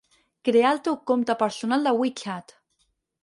Crear el teu compte personal de WeChat.